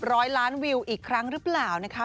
ร้อยล้านวิวอีกครั้งหรือเปล่านะคะ